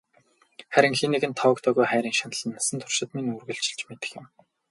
Харин хэн нэгэнд тоогдоогүй хайрын шаналан насан туршид минь ч үргэлжилж мэдэх юм.